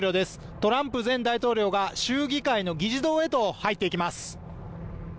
トランプ前大統領が州議会の議事堂へと入っていきます。